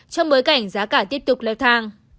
trong bối cảnh giá cả tiếp tục leo thang